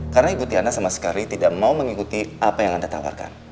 karena ibu tiana sama sekali tidak mau mengikuti apa yang anda tawarkan